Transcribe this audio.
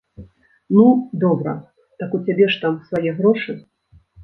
Ну, добра, так у цябе ж там свае грошы.